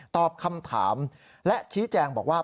ตอบคำถามและชี้แจงบอกว่า